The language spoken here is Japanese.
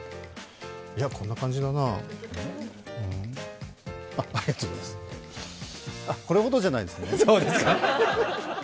いや、こんな感じだなこれほどじゃないですね。